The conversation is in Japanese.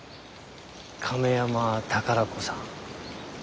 亀山宝子さん？